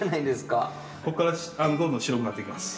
ここからどんどん白くなっていきます。